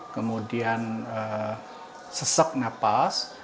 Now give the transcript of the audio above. kemudian sesak nafas